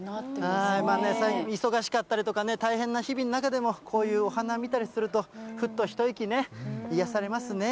忙しかったりとかね、大変な日々の中でも、こういうお花を見たりすると、ふっと一息、癒やされますね。